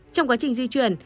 trong quá trình di chuyển